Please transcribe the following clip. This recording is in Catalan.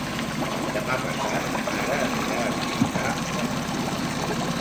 Demà passat na Nara anirà a visitar mon oncle.